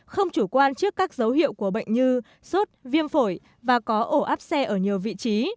không chủ quan trước các dấu hiệu của bệnh như sốt viêm phổi và có ổ áp xe ở nhiều vị trí